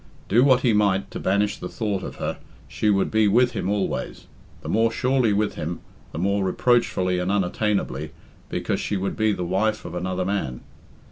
Do what he might to banish the thought of her, she would be with him always; the more surely with him, the more reproachfully and unattainably, because she would be the wife of another man.